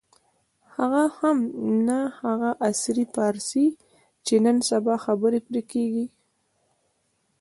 هغه هم نه هغه عصري فارسي چې نن سبا خبرې پرې کېږي.